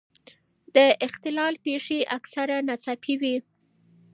د اختلال پېښې اکثره ناڅاپي وي.